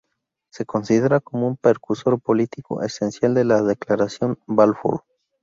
Se considera como un precursor político esencial de la Declaración Balfour.